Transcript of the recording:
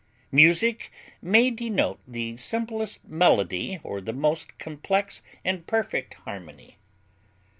Music may denote the simplest melody or the most complex and perfect harmony.